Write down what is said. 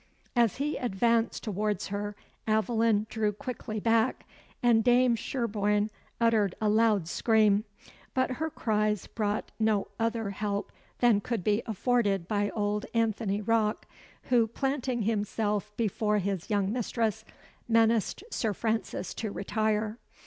As he advanced towards her, Aveline drew quickly back, and Dame Sherborne uttered a loud scream; but her cries brought no other help than could be afforded by old Anthony Rocke, who, planting himself before his young mistress, menaced Sir Francis to retire.